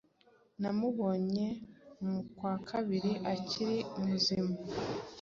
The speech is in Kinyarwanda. Namubonye ku wa Kabiri akiri muzima